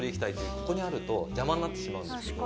ここにあると邪魔になってしまうんですけど